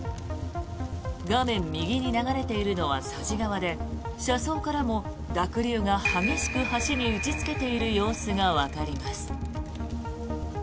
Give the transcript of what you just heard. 画面右に流れているのは佐治川で車窓からも濁流が激しく橋に打ちつけている様子がわかります。